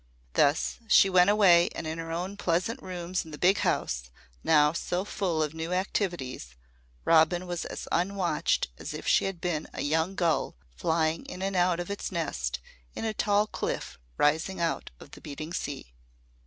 Thus she went away and in her own pleasant rooms in the big house, now so full of new activities, Robin was as unwatched as if she had been a young gull flying in and out of its nest in a tall cliff rising out of the beating sea.